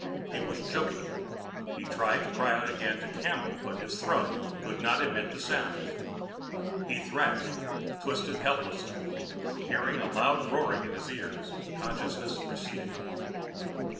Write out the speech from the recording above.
It was choking him. He tried to cry out again to Campbell, but his throat could not emit the sounds. He thrashed, twisted helplessly, hearing a loud roaring in his ears, consciousness receding.